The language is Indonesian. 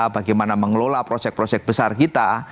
bagaimana mengelola proyek proyek besar kita